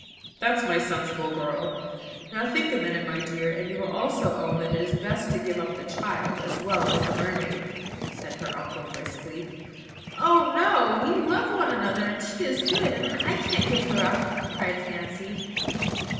"That's my sensible girl! Now, think a minute, my dear, and you will also own that it is best to give up the child as well as the mermaid," said her uncle briskly. "Oh! no: we love one another; and she is good, and I can't give her up," cried Fancy.